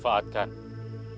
prana tidak kenal